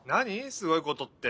すごいことって。